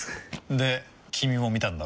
で君も見たんだろ？